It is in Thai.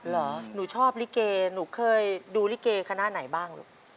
เหรอหนูชอบลิเกหนูเคยดูลิเกคณะไหนบ้างลูก